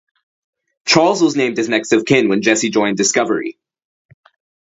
Charles was named as next of kin when Jesse joined "Discovery".